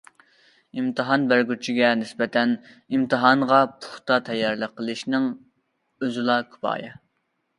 ئىمتىھان بەرگۈچىگە نىسبەتەن، ئىمتىھانغا پۇختا تەييارلىق قىلىشنىڭ ئۆزىلا كۇپايە.